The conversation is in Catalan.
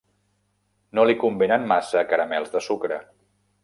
No li convenen massa caramels de sucre.